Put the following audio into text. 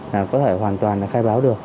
là có thể hoàn toàn khai báo được